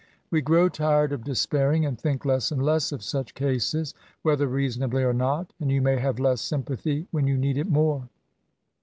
We grow tired of despairing^ and think less and less of such oases, whether rieasonably or not; and you may have less sympathy when you need it more.